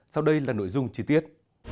sau đây là nội dung chi tiết